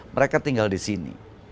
mereka tinggal di sini